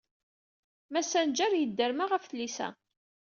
Msengaren yiderma ɣef tlisa.